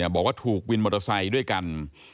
บอกว่าถูกวินมอเตอร์ไซค์ด้วยกัน